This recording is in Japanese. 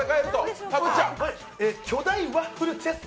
巨大ワッフルチェス。